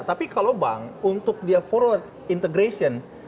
tapi kalau bank untuk dia forward integration